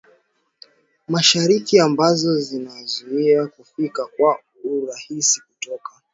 mashariki ambazo zinazuia kufika kwa urahisi kutoka